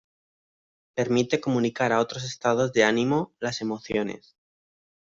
Permite comunicar a otros estados de ánimo, las emociones.